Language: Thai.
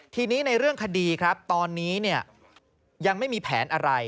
ทีนี้ในเรื่องคดีครับตอนนี้ยังไม่มีแผนอะไร